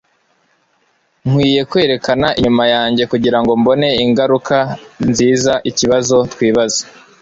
Nkwiye kwerekana inyuma yanjye kugirango mbone ingaruka nzizaikibazo twibaza